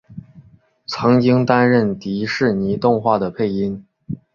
曾经担任迪士尼动画的配音。